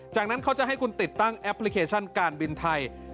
จากนั้นเขาจะให้คุณติดตั้งแอปพลิเคชันการบินไทย